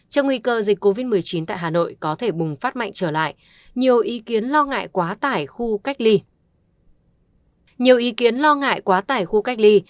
trong nguy cơ dịch covid một mươi chín tại hà nội có thể bùng phát mạnh trở lại nhiều ý kiến lo ngại quá tải khu cách ly